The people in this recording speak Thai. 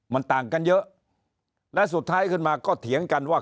มันต่างกันเยอะและสุดท้ายขึ้นมาก็เถียงกันว่า